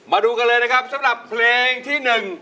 มาดูกันเลยนะครับสำหรับเพลงที่๑